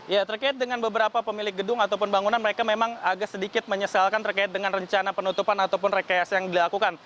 ya terkait dengan beberapa pemilik gedung ataupun bangunan mereka memang agak sedikit menyesalkan terkait dengan rencana penutupan ataupun rekayasa yang dilakukan